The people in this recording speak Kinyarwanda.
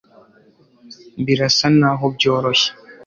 birasa naho byoroshye